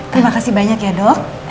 terima kasih banyak ya dok